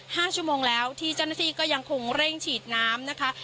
ห้าชั่วโมงแล้วที่เจ้าหน้าที่ก็ยังคงเร่งฉีดน้ำนะคะ